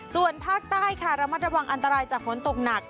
ส่วนภาคใต้ค่ะระมัดระวังอันตรายจากฝนตกหนัก